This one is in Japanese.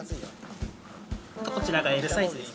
こちらがＬサイズです